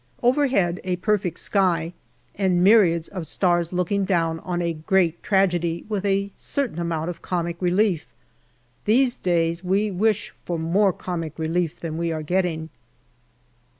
Overhead, a perfect sky and myriads of stars looking down on a great tragedy with a certain amount of comic relief. These days we wish for more comic relief than we are getting.